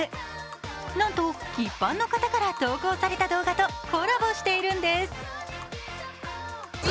なんと、一般の方から投稿された動画とコラボしてるんです。